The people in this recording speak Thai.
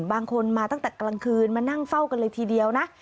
บางคนมาตั้งแต่กลางคืนมานั่งเฝ้ากันเลยทีเดียวนะ